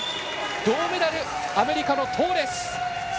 銅メダル、アメリカのトーレス。